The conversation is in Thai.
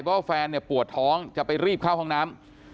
ก็แฟนเนี่ยปวดท้องจะไปรีบเข้าห้องน้ำ